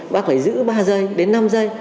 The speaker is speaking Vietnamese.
bác phải giữ ba giây đến năm giây